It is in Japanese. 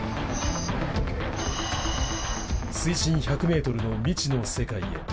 水深１００の未知の世界へ。